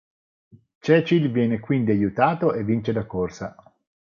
Cecil viene quindi aiutato e vince la corsa.